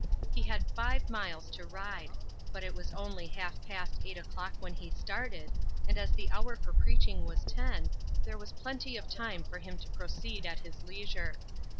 He had five miles to ride; but it was only half past eight o'clock when he started, and as the hour for preaching was ten, there was plenty of time for him to proceed at his leisure.